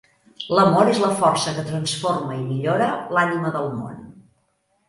L'Amor és la força que transforma i millora l'Ànima del Món.